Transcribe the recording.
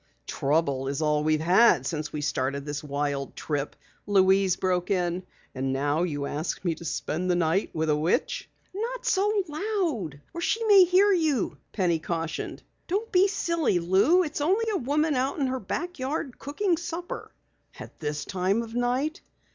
'" "Trouble is all we've had since we started this wild trip," Louise broke in. "And now you ask me to spend the night with a witch!" "Not so loud, or the witch may hear you," Penny cautioned. "Don't be silly, Lou. It's only a woman out in her back yard cooking supper." "At this time of night?"